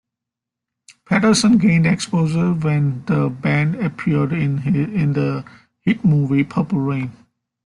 Peterson gained exposure when the band appeared in the hit movie "Purple Rain".